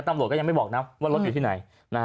ตำรวจก็ยังไม่บอกนะว่ารถอยู่ที่ไหน